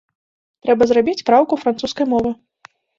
Трэба зрабіць праўку французскай мовы.